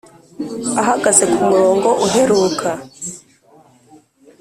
ahagaze ku murongo uheruka